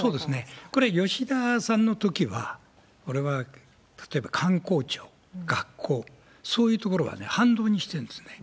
これ吉田さんのときは、これは、例えば官公庁、学校、そういうところ、反動にしてんですよね。